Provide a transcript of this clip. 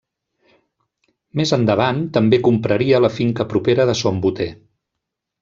Més endavant també compraria la finca propera de Son Boter.